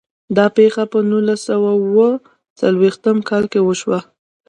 دا پیښه په نولس سوه او اووه څلوېښتم کال کې وشوه.